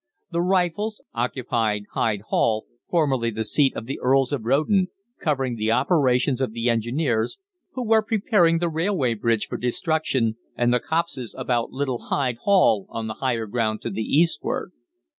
The Rifles occupied Hyde Hall, formerly the seat of the Earls of Roden, covering the operations of the Engineers, who were preparing the railway bridge for destruction, and the copses about Little Hyde Hall on the higher ground to the eastward.